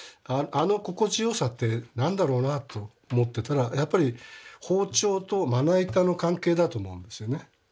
あの心地よさって何だろうなと思ってたらやっぱり包丁とまな板の関係だと思うんですよね。